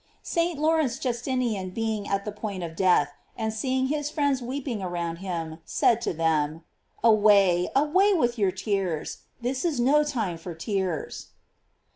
St. Lawrence Justinian being at the point of death, and seeing his friends weep ing around him, said to them : "Away, away with your tears, this is no time for tears."